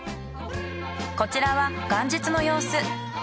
こちらは元日のようす。